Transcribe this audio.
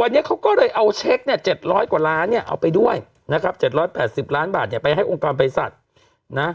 วันนี้เขาก็เลยเอาเช็คเนี้ยเจ็ดร้อยกว่าล้านเนี้ยเอาไปด้วยนะครับเจ็ดร้อยแปดสิบล้านบาทเนี้ยไปให้องค์กรเพศาชกรนะ